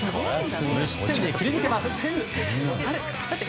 無失点で切り抜けます。